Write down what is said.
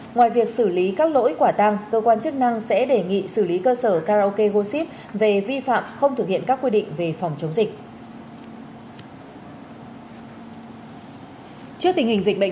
ngoài việc xử lý các lỗi quả tăng cơ quan chức năng sẽ đề nghị xử lý cơ sở karaoke goshi về vi phạm không thực hiện các quy định về phòng chống dịch